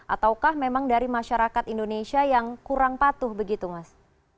ataukah memang dari masyarakat indonesia yang kurang patuh begitu mas